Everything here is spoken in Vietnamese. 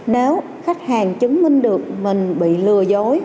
nếu khách hàng chứng minh được mình bị lừa dối